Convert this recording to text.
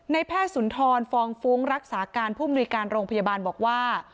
แพทย์สุนทรฟองฟุ้งรักษาการผู้มนุยการโรงพยาบาลบอกว่า